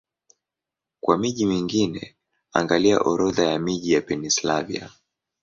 Kwa miji mingine, angalia Orodha ya miji ya Pennsylvania.